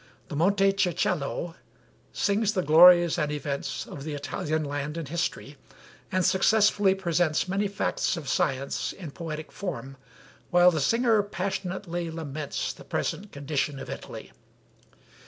The 'Monte Circello' sings the glories and events of the Italian land and history, and successfully presents many facts of science in poetic form, while the singer passionately laments the present condition of Italy.